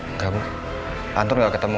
enggak bu anton nggak ketemu